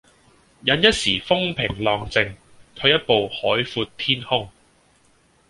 忍一時風平浪靜，退一步海闊天空